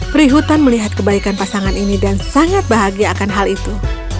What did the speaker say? perihutan melihat kebaikan pasangan ini dan sangat bahagia akan hal itu